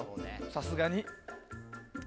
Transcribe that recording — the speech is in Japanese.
さすがに。